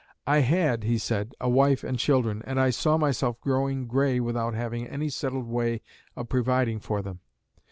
"I had," he said, "a wife and children, and I saw myself growing gray without having any settled way of providing for them."